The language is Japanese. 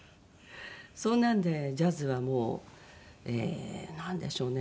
そんなんでジャズはもうなんでしょうね